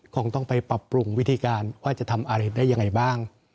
คงต้องไปปรับปรุงวิธีการว่าจะทำอะไรได้ยังไงบ้าง